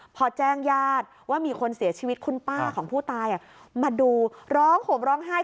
พอแจ้งญาติว่ามีคนเสียชีวิตคุณป้าของผู้ตายมาดูร้องห่มร้องไห้